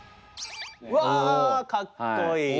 わあかっこいい！